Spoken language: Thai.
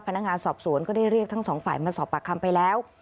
พนักงานสอบสวนก็ได้เรียกทั้งสองฝ่ายมาสอบปากคำไปแล้ว